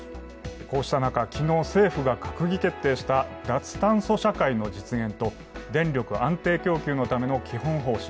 こうした中、昨日政府が閣議決定した脱炭素社会の実現と電力安定供給のための基本方針。